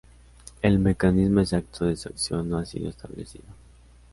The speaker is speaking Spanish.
El mecanismo exacto de su acción no ha sido establecido.